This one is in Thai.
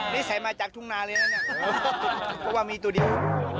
นี่ใส่มาจากทุ่งนาเลยนะเนี่ยเพราะว่ามีตัวเดียว